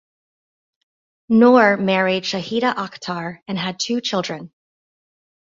Noor married Shahida Akhtar and had two children.